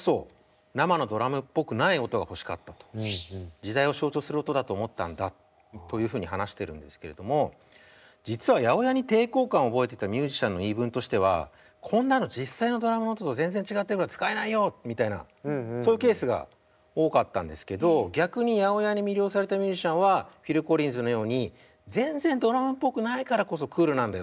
時代を象徴する音だと思ったんだというふうに話してるんですけれども実は８０８に抵抗感を覚えてたミュージシャンの言い分としてはこんなの実際のドラムの音と全然違ってるから使えないよみたいなそういうケースが多かったんですけど逆に８０８に魅了されたミュージシャンはフィル・コリンズのように全然ドラムっぽくないからこそクールなんだよ。